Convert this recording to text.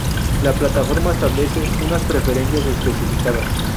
La plataforma establece unas preferencias especificadas.